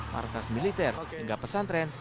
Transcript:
markas militer hingga pesan tren